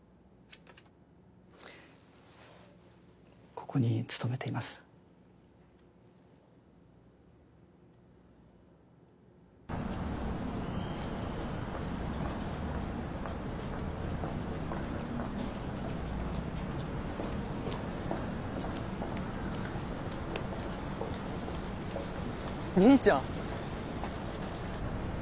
ここに勤めています兄ちゃん？